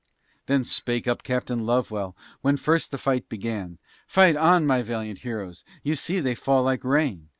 Then spake up Captain Lovewell, when first the fight began: "Fight on, my valiant heroes! you see they fall like rain."